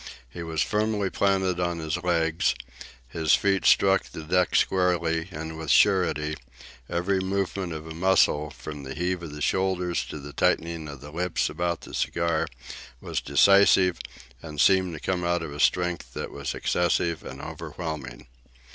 He was firmly planted on his legs; his feet struck the deck squarely and with surety; every movement of a muscle, from the heave of the shoulders to the tightening of the lips about the cigar, was decisive, and seemed to come out of a strength that was excessive and overwhelming.